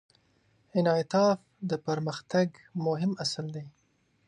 انعطاف د پرمختګ مهم اصل دی.